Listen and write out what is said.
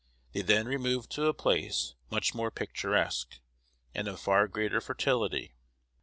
They then removed to a place much more picturesque, and of far greater fertility.